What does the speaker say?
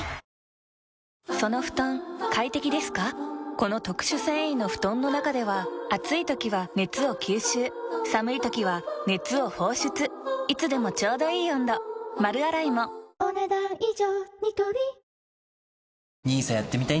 この特殊繊維の布団の中では暑い時は熱を吸収寒い時は熱を放出いつでもちょうどいい温度丸洗いもお、ねだん以上。